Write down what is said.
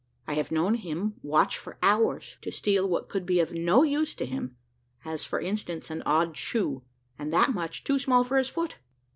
I have known him watch for hours, to steal what could be of no use to him, as, for instance, an odd shoe, and that much too small for his foot.